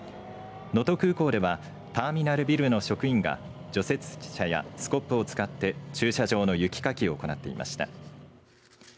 能登空港ではターミナルビルの職員が除雪車やスコップを使って駐車場の雪かきを行っていました。